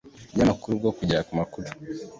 nyir amakuru bwo kugera ku makuru